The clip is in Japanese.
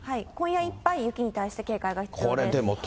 今夜いっぱい、雪に対して警戒が必要です。